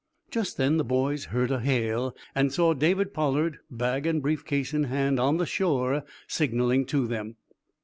Just then the boys heard a hail and saw David Pollard, bag and brief case in hand, on the shore signaling to them.